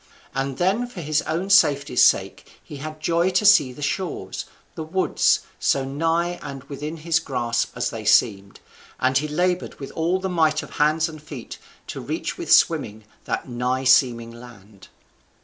And then for his own safety's sake he had joy to see the shores, the woods, so nigh and within his grasp as they seemed, and he laboured with all the might of hands and feet to reach with swimming that nigh seeming land.